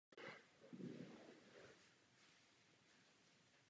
Mezivládní panel pro změnu klimatu to však vůbec netvrdí.